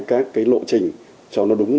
các cái lộ trình cho nó đúng